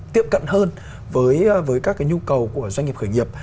tiếp cận hơn với các cái nhu cầu của doanh nghiệp khởi nghiệp